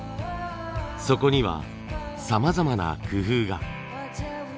そこにはさまざまな工夫が。